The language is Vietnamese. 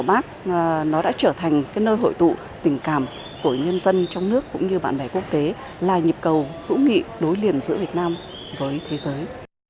bác nó đã trở thành cái nơi hội tụ tình cảm của nhân dân trong nước cũng như bạn bè quốc tế là nhịp cầu hữu nghị đối liền giữa việt nam với thế giới